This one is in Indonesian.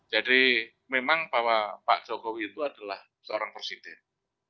jadi memang bahwa pak jokowi itu adalah seorang presiden